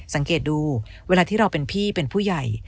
สังเกตดูเวลาที่เราเป็นพี่เป็นผู้ใหญ่